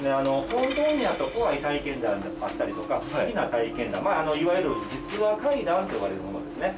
本当にあった怖い体験であったりとか不思議な体験談いわゆる実話怪談と呼ばれるものですね